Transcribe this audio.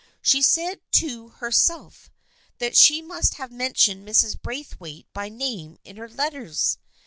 She said to her self that she must have mentioned Mrs. Braith waite by name in her letters.